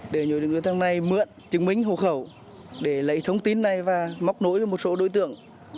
để nhờ những người thân này mượn chứng minh hộ khẩu để lấy thông tin này và móc nổi cho một số đối tượng